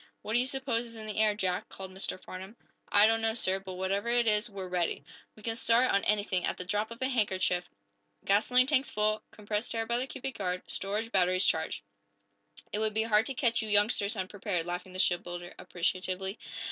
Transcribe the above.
"What do you suppose is in the air, Jack?" called Mr. Farnum. "I don't know, sir. But whatever it is, we're ready. We can start, on anything, at the drop of a handkerchief. Gasoline tanks full, compressed air by the cubic yard, storage batteries charged." "It would be hard to catch you youngsters unprepared," laughed the shipbuilder, appreciatively.